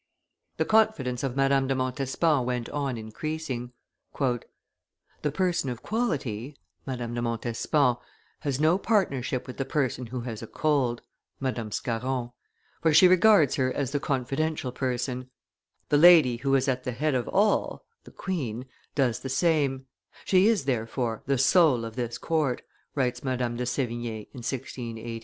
The confidence of Madame de Montespan went on increasing. "The person of quality (Madame de Montespan) has no partnership with the person who has a cold (Madame Scarron), for she regards her as the confidential person; the lady who is at the head of all (the queen) does the same; she is, therefore, the soul of this court," writes Madame de Sevigne in 1680.